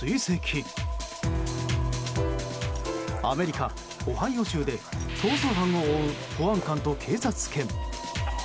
アメリカ・オハイオ州で逃走犯を追う保安官と警察犬。